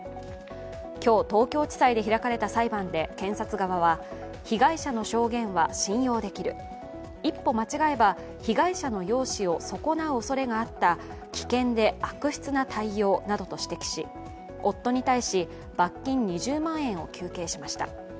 今日、東京地裁で開かれた裁判で検察側は被害者の証言は信用できる、一歩間違えば被害者の容姿を損なうおそれがあった危険で悪質な態様などと指摘し夫に対し、罰金２０万円を求刑しました。